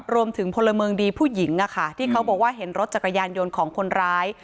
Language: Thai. พลเมืองดีผู้หญิงที่เขาบอกว่าเห็นรถจักรยานยนต์ของคนร้าย